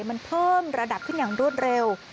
มันเพิ่มระดับขึ้นอย่างรวดเร็ว